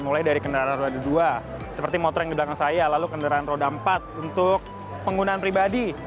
mulai dari kendaraan roda dua seperti motor yang di belakang saya lalu kendaraan roda empat untuk penggunaan pribadi